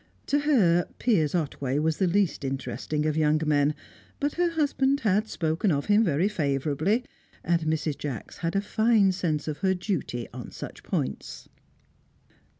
To her, Piers Otway was the least interesting of young men; but her husband had spoken of him very favourably, and Mrs. Jacks had a fine sense of her duty on such points.